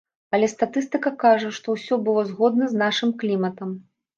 Але статыстыка кажа, што ўсё было згодна з нашым кліматам.